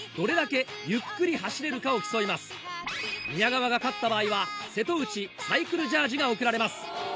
宮川が勝った場合は瀬戸内サイクルジャージが贈られます。